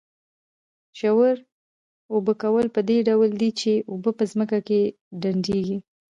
ژور اوبه کول په دې ډول دي چې اوبه په ځمکه کې ډنډېږي.